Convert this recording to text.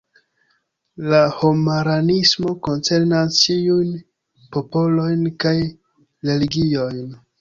La homaranismo koncernas ĉiujn popolojn kaj religiojn.